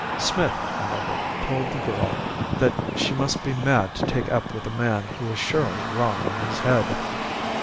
Smith, however, told the girl that she must be mad to take up with a man who was surely wrong in his head.